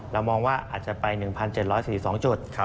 เรามองว่าอาจจะไป๑๗๔๒จุด